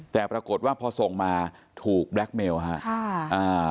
แต่ปรากฏว่าพอส่งมาถูกแบล็คเมลฮะค่ะอ่า